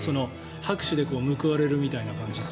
拍手で報われるみたいな感じが。